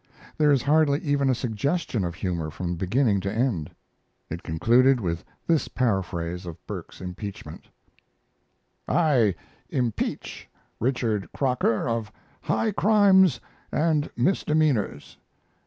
There is hardly even a suggestion of humor from beginning to end. It concluded with this paraphrase of Burke's impeachment: I impeach Richard Croker of high crimes and misdemeanors.